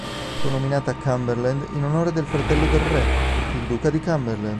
Fu nominata Cumberland in onore del fratello del re, il duca di Cumberland.